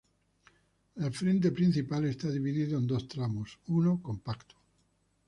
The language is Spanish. El frente principal está dividido en dos tramos; uno compacto.